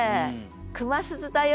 「熊鈴だよ」